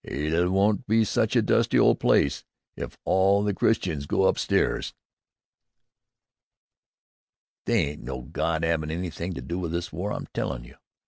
'Ell won't be such a dusty old place if all the Christians go upstairs." "They ain't no God 'avin' anything to do with this war, I'm telling you!